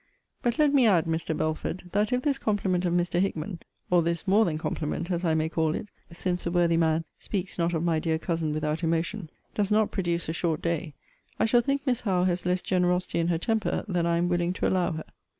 But let me add, Mr. Belford, that if this compliment of Mr. Hickman (or this more than compliment, as I may call it, since the worthy man speaks not of my dear cousin without emotion) does not produce a short day, I shall think Miss Howe has less generosity in her temper than I am willing to allow her.